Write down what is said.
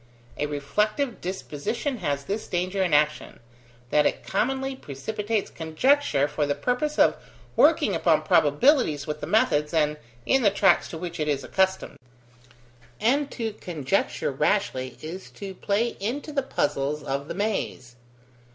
A reflective disposition has this danger in action, that it commonly precipitates conjecture for the purpose of working upon probabilities with the methods and in the tracks to which it is accustomed: and to conjecture rashly is to play into the puzzles of the maze.